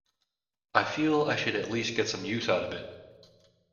I feel I should at least get some use out of it.